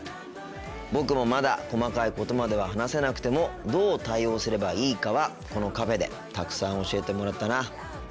僕もまだ細かいことまでは話せなくてもどう対応すればいいかはこのカフェでたくさん教えてもらったな。